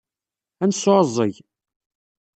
Ad nesɛuẓẓeg.